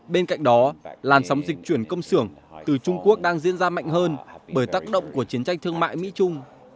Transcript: bên cạnh đó làn sóng dịch chuyển công sưởng từ trung quốc đang diễn ra mạnh hơn bởi tác động của chiến tranh thương mại mỹ trung